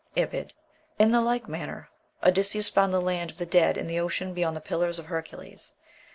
(Ibid.) In like manner, Odysseus found the land of the dead in the ocean beyond the Pillars of Hercules.